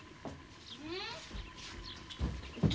うん。